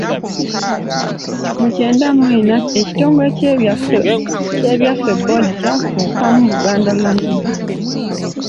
Mu kyenda mu ena ekitongole kya Ebyaffe Board kyafuukamu Buganda Land Board.